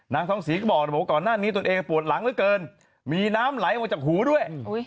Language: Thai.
นางทองศรีก็บอกว่าก่อนหน้านี้ตนเองปวดหลังเหลือเกินมีน้ำไหลออกจากหูด้วย